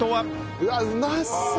うわっうまそう！